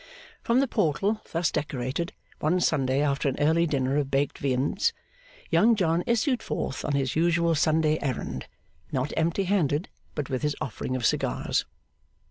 From the portal thus decorated, one Sunday after an early dinner of baked viands, Young John issued forth on his usual Sunday errand; not empty handed, but with his offering of cigars.